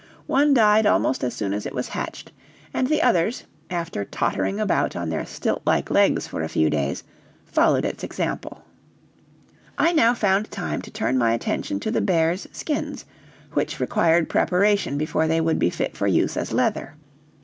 One died almost as soon as it was hatched, and the others, after tottering about on their stilt like legs for a few days, followed its example. I now found time to turn my attention to the bears' skins, which required preparation before they would be fit for use as leather.